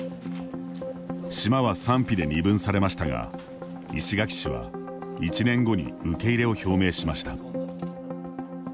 島は賛否で二分されましたが石垣市は１年後に受け入れを表明しました。